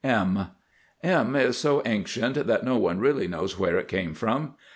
M [Illustration: M] is so ancient that no one really knows where it came from.